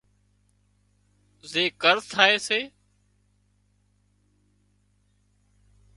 زي قرض ٿائي سي